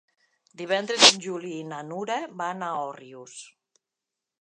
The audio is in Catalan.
Divendres en Juli i na Nura van a Òrrius.